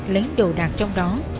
lấy đồ đạc trong đó